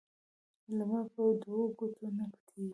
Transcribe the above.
لمر په دوو ګوتو نه پټيږي.